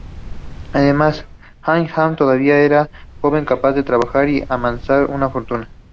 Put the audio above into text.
Además, Abd Allah todavía era un joven capaz de trabajar y amasar una fortuna.